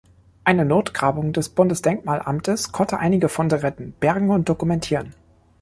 Eine Notgrabung des Bundesdenkmalamtes konnte einige Funde retten, bergen und dokumentieren.